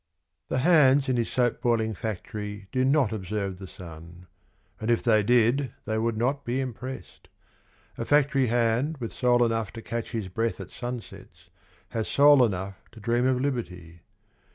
The hands in his soap boiling factory Do not observe the sun. And if they did They would not be impressed. A factory hand With soul enough to catch his breath at sunsets Has soul enough to dream of liberty.